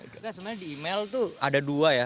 kita sebenarnya di email tuh ada dua ya